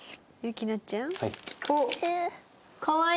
はい。